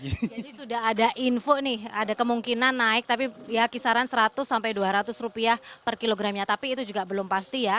jadi sudah ada info nih ada kemungkinan naik tapi ya kisaran seratus sampai dua ratus rupiah per kilogramnya tapi itu juga belum pasti ya